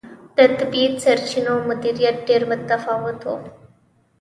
د طبیعي سرچینو مدیریت ډېر متفاوت و.